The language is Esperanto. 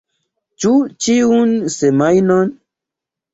Ĉu ĉiun semajnon?